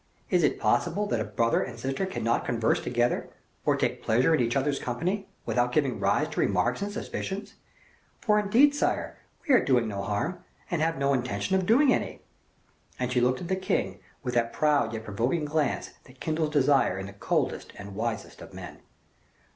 Is it possible that a brother and sister cannot converse together, or take pleasure in each other's company, without giving rise to remarks and suspicions? For indeed, sire, we are doing no harm, and have no intention of doing any." And she looked at the king with that proud yet provoking glance that kindles desire in the coldest and wisest of men.